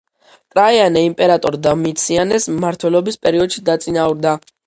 ტრაიანე იმპერატორ დომიციანეს მმართველობის პერიოდში დაწინაურდა.